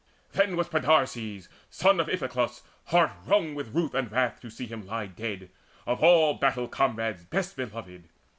Then was Podarces, son of Iphiclus, Heart wrung with ruth and wrath to see him lie Dead, of all battle comrades best beloved.